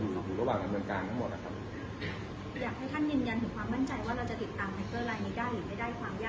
ถ้าทุกอย่างอยู่ระหว่างการการการการนะครับก็จะทำให้เร็วสุดครับ